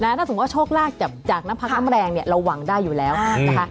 ถ้าสมมุติว่าโชคลาภจากน้ำพักน้ำแรงเนี่ยเราหวังได้อยู่แล้วนะคะ